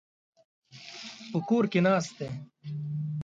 په کور ناست دی.